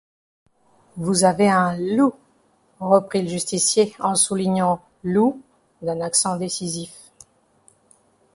Vous avez un loup, reprit le justicier, en soulignant « loup » d’un accent décisif.